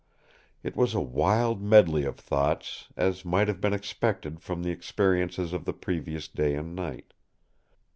It was a wild medley of thoughts, as might have been expected from the experiences of the previous day and night.